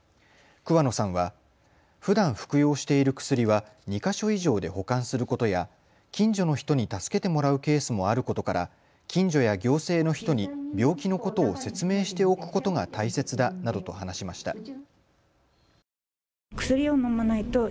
桑野さんはふだん服用している薬は２か所以上で保管することや近所の人に助けてもらうケースもあることから近所や行政の人に病気のことを説明しておくことが大切だなどと話しました。